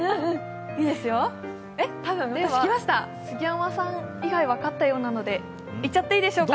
杉山さん以外、分かったようなのでいっちゃっていいですか。